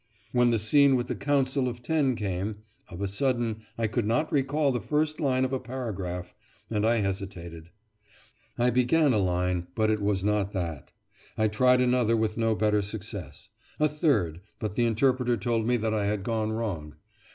When the scene with the Council of Ten came, of a sudden I could not recall the first line of a paragraph, and I hesitated; I began a line, but it was not that; I tried another with no better success; a third, but the interpreter told me that I had gone wrong.